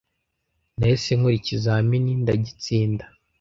nahise nkora ikizamini ndagitsinda